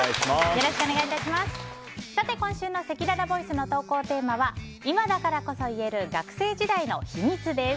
今週のせきららボイスの投稿テーマは今だからこそ言える学生時代の秘密！です。